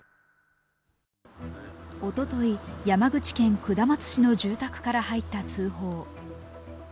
おととい、山口県下松市の住宅から入った通報。